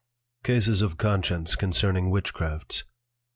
CASES OF CONSCIENCE CONCERNING WITCHCRAFTS.